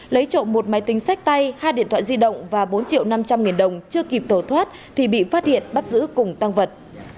lấy trộm một máy tính sách tay hai điện thoại di động và bốn triệu năm trăm linh nghìn đồng chưa kịp tổ thoát thì bị phát hiện bắt giữ cùng tăng vật